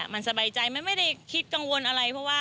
มันสบายใจมันไม่ได้คิดกังวลอะไรเพราะว่า